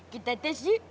kita tes yuk